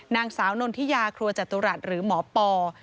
นางสาวนนทิยาครัวจตุรัสหรือหมอปอ